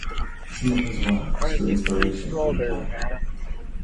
Some of his works drew inspiration from the play.